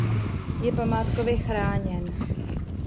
Je památkově chráněn.